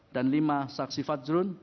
dan lima saksi fadjrun